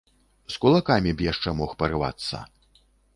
З кулакамі б яшчэ мог парывацца.